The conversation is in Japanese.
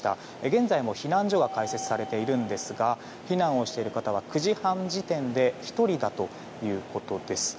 現在も避難所が開設されているんですが避難をしている方は９時半時点で１人だということです。